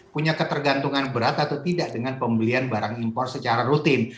punya ketergantungan berat atau tidak dengan pembelian barang impor secara rutin